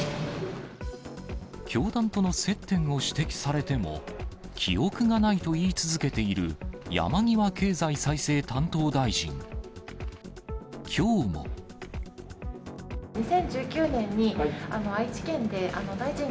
教団との接点を指摘されても、記憶がないと言い続けている山際経済再生担当大臣。